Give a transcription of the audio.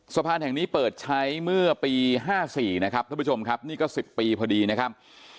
สะพานแห่งนี้เปิดใช้เมื่อปี๕๔นะครับท่านผู้ชมครับนี่ก็๑๐ปีพอดีนะครับ